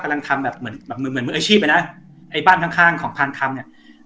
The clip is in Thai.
ทำแบบเหมือนแบบเหมือนเหมือนมืออาชีพเลยนะไอ้บ้านข้างข้างของพานคำเนี้ย